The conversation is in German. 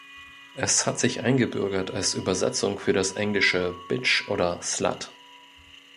Es hat sich eingebürgert als Übersetzung für das englische „bitch“ oder „slut“.